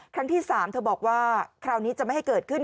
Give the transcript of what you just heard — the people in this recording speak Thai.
ครั้งที่๓เธอบอกว่าคราวนี้จะไม่ให้เกิดขึ้น